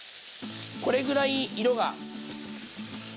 これぐらい色が。